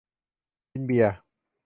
กินเบียร์